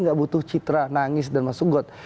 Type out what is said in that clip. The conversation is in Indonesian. gak butuh citra nangis dan masuk got